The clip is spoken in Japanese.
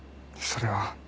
それは？